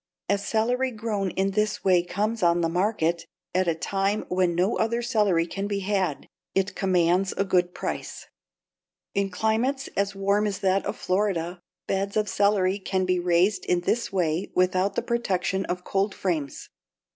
As celery grown in this way comes on the market at a time when no other celery can be had, it commands a good price. In climates as warm as that of Florida, beds of celery can be raised in this way without the protection of cold frames.